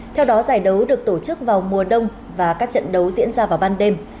theo đó giải đấu được tổ chức vào mùa đông và các trận đấu diễn ra vào ban đêm